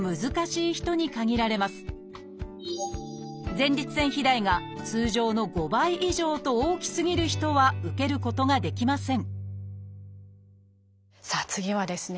前立腺肥大が通常の５倍以上と大きすぎる人は受けることができませんさあ次はですね